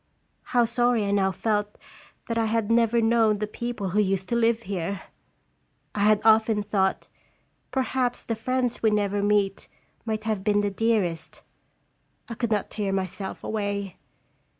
How sorry I now felt that I had never known the people who used to live here ! I had often thought, perhaps the friends we never meet might have been the dearest. I could not tear myself away.